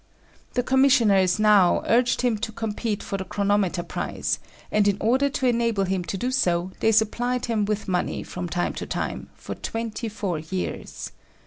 The commissioners now urged him to compete for the chronometer prize, and in order to enable him to do so they supplied him with money, from time to time, for twenty four years.